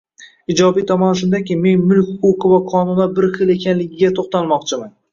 Ijobiy tomoni shundaki, men mulk huquqi va qonunlar bir xil ekanligiga to'xtalmoqchiman